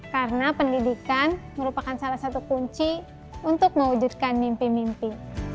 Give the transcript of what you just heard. karena pendidikan merupakan salah satu kunci untuk mewujudkan mimpi mimpi